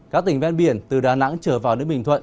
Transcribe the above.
các tỉnh ven biển từ đà nẵng trở vào đến bình thuận